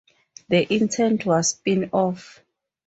The intent was spin off.